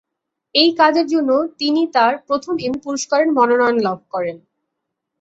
এই কাজের জন্য তিনি তার প্রথম এমি পুরস্কারের মনোনয়ন লাভ করেন।